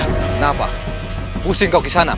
kenapa pusing kau kisanak